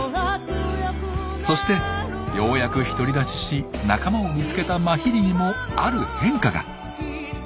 そしてようやく独り立ちし仲間を見つけたマヒリにもある変化が。